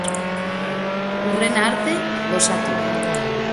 Hurrena arte, gozatu.